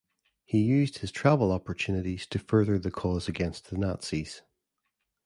He used his travel opportunities to further the cause against the Nazis.